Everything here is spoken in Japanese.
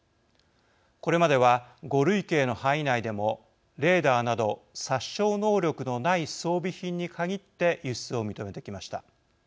これまでは５類型の範囲内でもレーダーなど殺傷能力のない装備品に限って輸出を認めてきました。